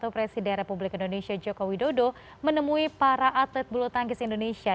presiden republik indonesia joko widodo menemui para atlet bulu tangkis indonesia